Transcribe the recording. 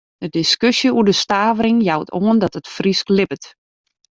De diskusje oer de stavering jout oan dat it Frysk libbet.